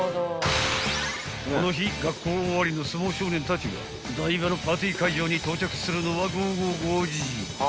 ［この日学校終わりの相撲少年たちが台場のパーティー会場に到着するのは午後５時］